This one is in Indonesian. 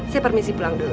saya permisi pulang dulu